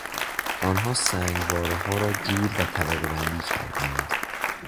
آنها سنگوارهها را جور و طبقهبندی کردند.